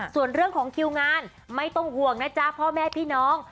ส่วนเรื่องของคิวงานไม่ต้องห่วงนะจ๊ะพ่อแม่พี่น้อง